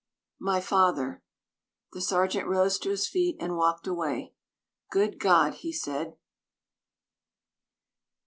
"My father." The sergeant rose to his feet and walked away. "Good God!" he said.